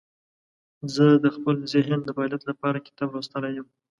زه د خپل ذهن د فعالیت لپاره کتاب لوستلی یم.